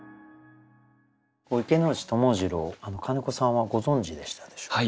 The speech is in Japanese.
池内友次郎金子さんはご存じでしたでしょうか？